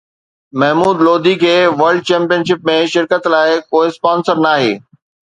محمود لوڌي کي world championship ۾ شرڪت لاءِ ڪو اسپانسر ناهي